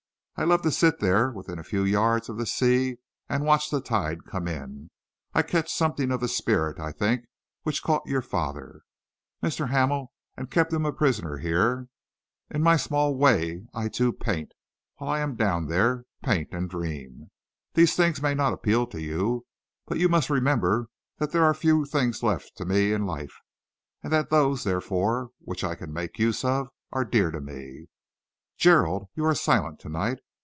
I love to sit there within a few yards of the sea and watch the tide come in. I catch something of the spirit, I think, which caught your father, Mr. Hamel, and kept him a prisoner here. In my small way I, too, paint while I am down there, paint and dream. These things may not appeal to you, but you must remember that there are few things left to me in life, and that those, therefore, which I can make use of, are dear to me. Gerald, you are silent to night.